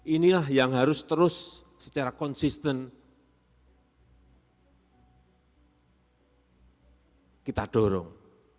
inilah yang harus terus secara konsisten kita dorong